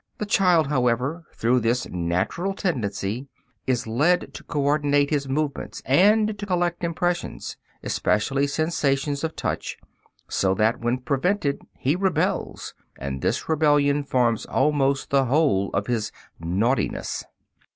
The child, however, through this natural tendency, is led to coordinate his movements and to collect impressions, especially sensations of touch, so that when prevented he rebels, and this rebellion forms almost the whole of his "naughtiness."